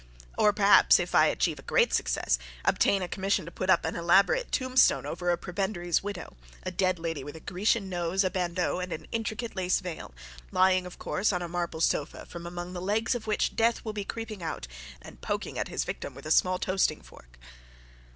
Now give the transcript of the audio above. Or perhaps, if I achieve great success, obtain a commission to put up an elaborate tombstone over a prebendary's widow, a dead lady with a Grecian nose, a bandeau, and an intricate lace veil; lying of course on a marble sofa, from among the legs of which Death will be creeping out and poking at his victim with a small toasting fork.'